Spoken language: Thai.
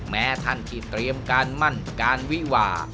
แม้ท่านที่เตรียมการมั่นการวิวา